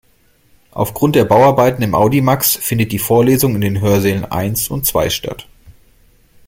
Aufgrund der Bauarbeiten im Audimax findet die Vorlesung in den Hörsälen eins und zwei statt.